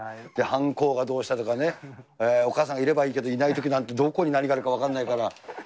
はんこがどうしたとかね、お母さんがいればいいけど、いないときなんてどこに何があるか分からないから。